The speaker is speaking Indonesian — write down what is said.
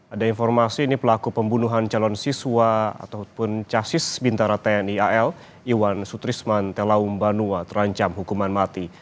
ada informasi ini pelaku pembunuhan calon siswa ataupun casis bintara tni al iwan sutrisman telaumbanuwa terancam hukuman mati